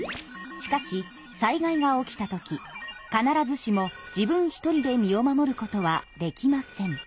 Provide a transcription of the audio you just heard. しかし災害が起きた時必ずしも自分１人で身を守ることはできません。